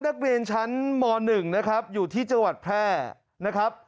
นักเรียนชั้นม๑อยู่ที่จังหวัดแพร่